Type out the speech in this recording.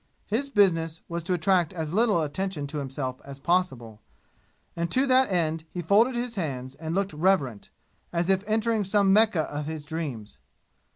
His business was to attract as little attention to himself as possible; and to that end he folded his hands and looked reverent, as if entering some Mecca of his dreams.